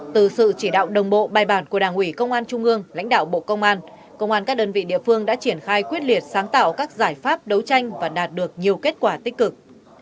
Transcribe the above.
từ sự chỉ đạo đồng bộ bài bản của đảng ủy công an trung ương lãnh đạo bộ công an công an các đơn vị địa phương đã triển khai quyết liệt sáng tạo các giải pháp đấu tranh và đạt được nhiều kết quả tích cực